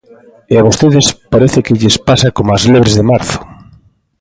E a vostedes parece que lles pasa coma ás lebres de marzo.